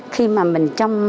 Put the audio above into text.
khi mà mình trong